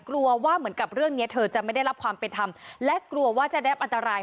กลัวว่าเหมือนกับเรื่องนี้เธอจะไม่ได้รับความเป็นธรรมและกลัวว่าจะได้รับอันตราย